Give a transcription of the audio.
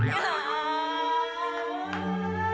ngapain ganggu suami orang ha